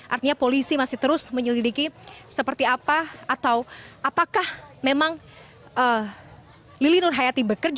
artinya polisi masih terus menyelidiki seperti apa atau apakah memang lilinur hayati berkerja